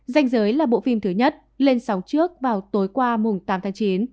danh giới là bộ phim thứ nhất lên sáu trước vào tối qua mùng tám tháng chín